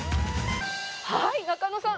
はい仲野さん。